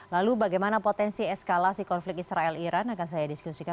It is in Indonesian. lalu bagaimana potensi eskalasi konflik israel iran akan saya diskusikan